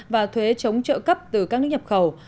và thuế chống trợ cấp từ các nước nhập khẩu